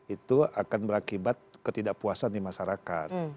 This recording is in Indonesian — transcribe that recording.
itu akan berakibat ketidakpuasan di masyarakat